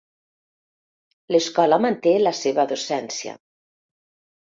L'escola manté la seva docència.